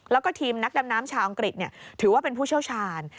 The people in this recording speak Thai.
แล้วก็ทีมนักดำน้ำชาวอังกฤษถือว่าเป็นผู้เชี่ยวชาญ